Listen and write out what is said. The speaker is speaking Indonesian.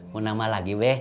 mau nama lagi be